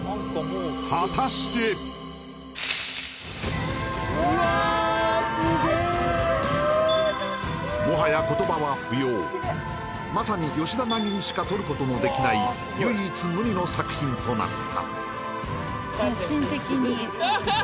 果たしてもはや言葉は不要まさにヨシダナギにしか撮ることのできない唯一無二の作品となった